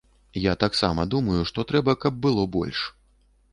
Я таксама думаю, што трэба, каб было больш.